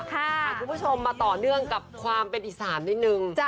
คุณผู้ชมมาต่อเนื่องกับความเป็นอีสานนิดนึง